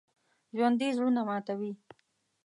ژوندي زړونه ماتوي